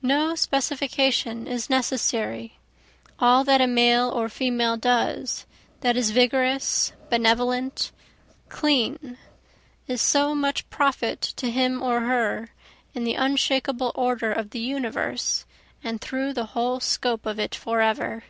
No specification is necessary, all that a male or female does, that is vigorous, benevolent, clean, is so much profit to him or her, In the unshakable order of the universe and through the whole scope of it forever.